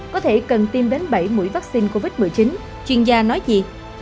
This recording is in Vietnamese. có thể cần tiêm đến bảy mũi vaccine covid một mươi chín chuyên gia nói gì